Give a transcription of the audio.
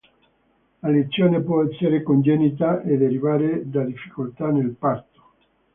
La lesione può essere congenita e derivare da difficoltà nel parto.